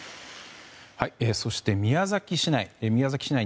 そして宮崎市内。